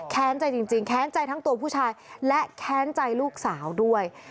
ใจจริงแค้นใจทั้งตัวผู้ชายและแค้นใจลูกสาวด้วย